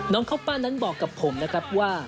น้องข้าวป้านั้นบอกกับผมนะครับว่า